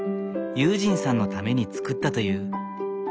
悠仁さんのために作ったという。